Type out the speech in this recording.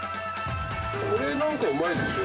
これなんかうまいですよ。